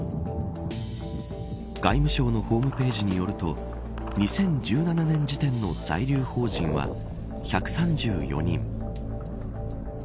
外務省のホームページによると２０１７年時点の在留邦人は１３４人。